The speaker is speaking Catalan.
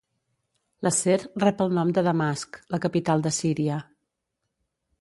L'acer rep el nom de Damasc, la capital de Síria.